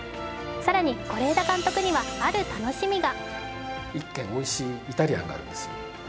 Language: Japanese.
更に、是枝監督にはある楽しみが。